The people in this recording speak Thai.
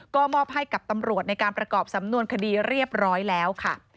ก็มอบให้กับตำรวจในการประกอบสำนวนคดีเรียบร้อยแล้วค่ะ